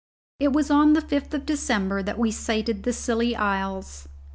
It was on the 5th of December that we sighted the Scilly Isles.